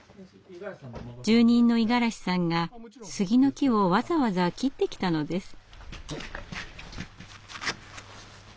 住人の五十嵐さんが杉の木をわざわざ切ってきたのです。